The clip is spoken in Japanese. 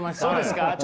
そうですか？